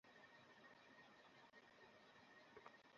নিজেরাই police police খেলতে শুরু করবে না।